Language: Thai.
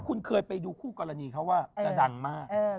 คุณเคยไปดูคู่กรณีเขาว่าจะดังมาก